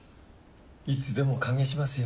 いつでも歓迎しますよ。